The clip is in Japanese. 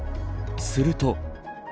すると。